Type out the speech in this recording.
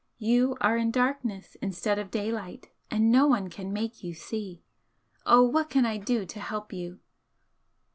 You are in darkness instead of daylight, and no one can make you see. Oh, what can I do to help you?"